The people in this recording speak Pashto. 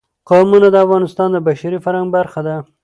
قومونه د افغانستان د بشري فرهنګ برخه ده.